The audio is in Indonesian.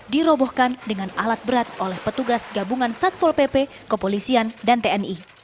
dirobohkan dengan alat berat oleh petugas gabungan satpol pp kepolisian dan tni